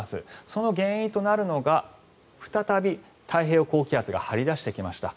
その原因となるのが再び、太平洋高気圧が張り出してきました。